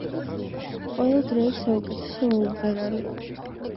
ყველა დროის საუკეთესო მომღერალი!